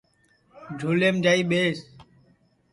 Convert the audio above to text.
جھُولیم جائی ٻیس